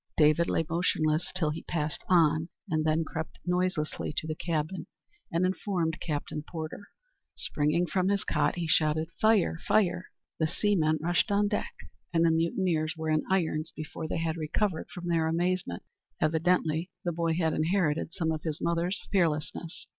David lay motionless till he passed on, and then crept noiselessly to the cabin, and informed Captain Porter. Springing from his cot, he shouted, "Fire! fire!" The seamen rushed on deck, and the mutineers were in irons before they had recovered from their amazement. Evidently the boy had inherited some of his mother's fearlessness.